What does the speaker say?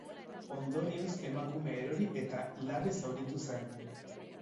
Ondorioz emakumea erori eta larri zauritu zen.